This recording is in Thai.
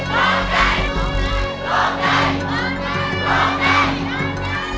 ร้องใจร้องใจร้องใจ